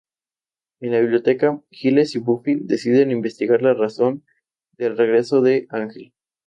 En la biblioteca, Giles y Buffy deciden investigar la razón del regreso de Ángel.